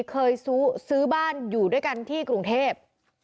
เคยซื้อบ้านอยู่ด้วยกันที่กรุงเทพ